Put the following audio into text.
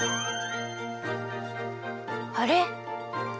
あれ？